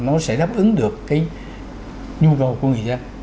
nó sẽ đáp ứng được cái nhu cầu của người dân